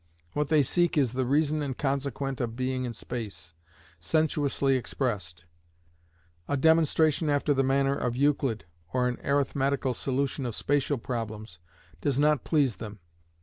What they seek is the reason and consequent of being in space, sensuously expressed; a demonstration after the manner of Euclid, or an arithmetical solution of spacial problems, does not please them.